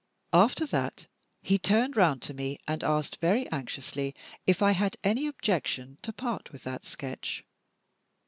After that, he turned round to me, and asked very anxiously if I had any objection to part with that sketch.